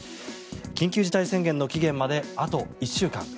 緊急事態宣言の期限まであと１週間。